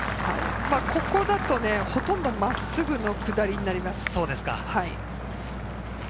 ここだとほとんど真っすぐの下りになります。